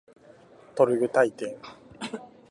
ｔｒｇｔｙｔｎ